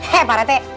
hei pak rt